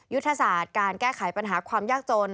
ยุทธศาสตร์การแก้ไขปัญหาความยากจน